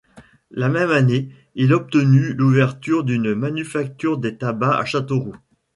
La même année, il obtenue l'ouverture d'une Manufacture des Tabacs à Châteauroux.